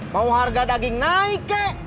mau harga daging naik kek